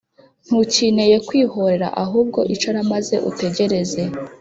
ntukeneye kwihorera ahubwo icara maze utegereze